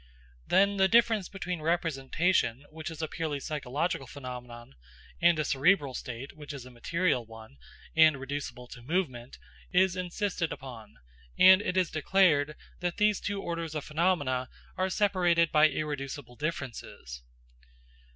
Then the difference between representation, which is a purely psychological phenomenon, and a cerebral state which is a material one, and reducible to movement, is insisted upon; and it is declared that these two orders of phenomena are separated by irreducible differences.